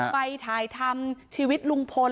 ไปถ่ายทำชีวิตลุงพล